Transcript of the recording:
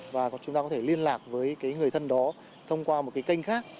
và chúng ta có thể liên lạc với người thân đó thông qua một kênh khác